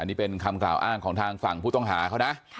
นี่เป็นคำกล่าวอ้างของทางฝั่งผู้ต้องหาเขานะ